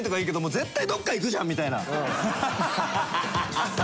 絶対どっか行くじゃんみたいな。